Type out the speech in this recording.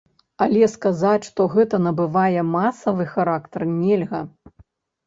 Але сказаць, што гэта набывае масавы характар, нельга.